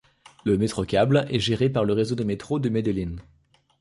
Le Metrocable est géré par le réseau de métro de Medellín.